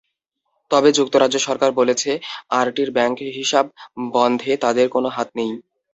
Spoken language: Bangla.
তবে যুক্তরাজ্য সরকার বলেছে, আরটির ব্যাংক হিসাব বন্ধে তাদের কোনো হাত নেই।